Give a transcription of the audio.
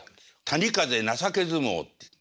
「谷風情け相撲」っていう。